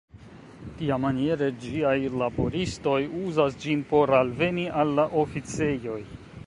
Tiamaniere ĝiaj laboristoj uzas ĝin por alveni al la oficejoj.